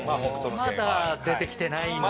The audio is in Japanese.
まだ出てきてないんで。